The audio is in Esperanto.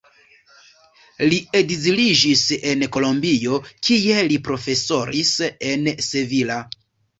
Li ekziliĝis en Kolombio, kie li profesoris en Sevilla.